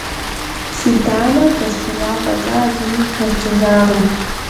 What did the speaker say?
Си дамэр дэсшея фӀэкӀа, зыри пэздзыжакъым.